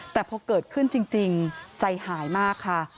แต่พอเกิดขึ้นจริงใจหายมากค่ะ